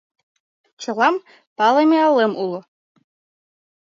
Чылам палыме алем уло: